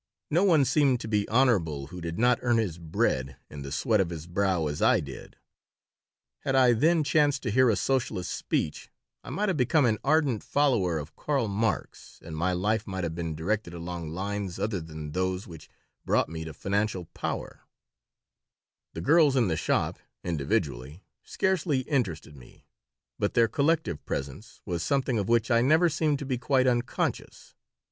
No one seemed to be honorable who did not earn his bread in the sweat of his brow as I did. Had I then chanced to hear a Socialist speech I might have become an ardent follower of Karl Marx and my life might have been directed along lines other than those which brought me to financial power The girls in the shop, individually, scarcely interested me, but their collective presence was something of which I never seemed to be quite unconscious.